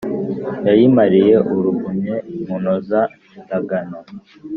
yayimariye urugumye munoza-ndagano